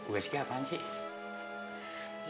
usg apaan sih